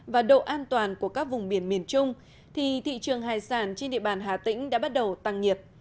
và độ an toàn của các vùng biển miền trung thì thị trường hải sản trên địa bàn hà tĩnh đã bắt đầu tăng nhiệt